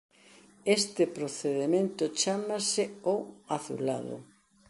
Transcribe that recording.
Este procedemento chámase o "azulado".